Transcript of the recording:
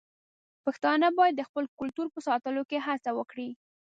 پښتانه بايد د خپل کلتور په ساتلو کې هڅه وکړي.